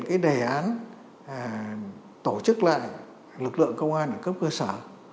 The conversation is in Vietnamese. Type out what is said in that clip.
cái đề án tổ chức lại lực lượng công an ở cấp cơ sở